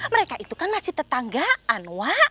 mereka itu kan masih tetanggaan